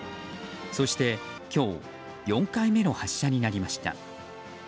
そして、今日４回目の発射になりました。